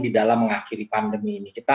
di dalam mengakhiri pandemi ini kita